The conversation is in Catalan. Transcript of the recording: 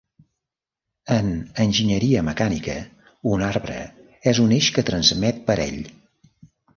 En enginyeria mecànica un arbre és un eix que transmet parell.